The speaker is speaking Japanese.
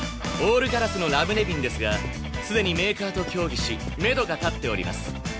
オールガラスのラムネ瓶ですがすでにメーカーと協議しめどが立っております。